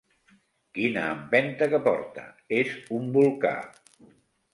Quina empenta que porta: és un volcà!